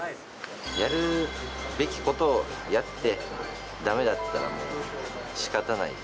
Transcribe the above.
やるべきことをやって、だめだったらもうしかたない。